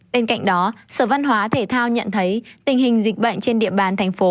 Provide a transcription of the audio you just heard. bên cạnh đó sở văn hóa thể thao nhận thấy tình hình dịch bệnh trên địa bàn thành phố